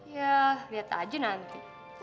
ya lihat aja nanti